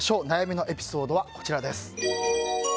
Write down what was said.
悩みのエピソードはこちらです。